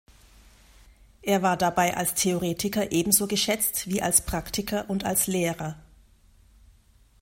Er war dabei als Theoretiker ebenso geschätzt wie als Praktiker und als Lehrer.